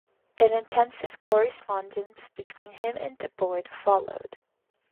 An intensive correspondence between him and Debord followed.